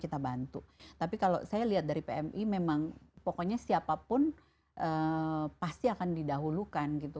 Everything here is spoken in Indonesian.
kita bantu tapi kalau saya lihat dari pmi memang pokoknya siapapun pasti akan didahulukan gitu